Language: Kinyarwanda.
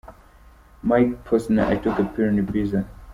Mike Posner – “I Took A Pill In Ibiza”.